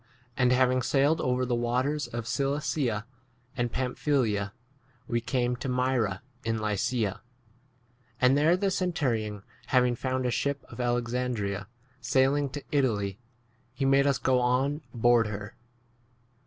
5 And having sailed over the waters of Cilicia and Pamphylia we came 6 to Myra in Lycia : and there the centurion having found a ship of Alexandria sailing to Italy, he 7 made us go on board her.